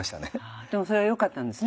でもそれがよかったんですねきっとね。